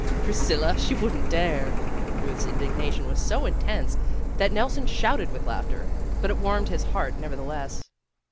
'' "Priscilla! She wouldn't dare." Ruth's indignation was so intense that Nelson shouted with laughter, but it warmed his heart, never theless.